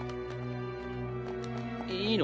いいの？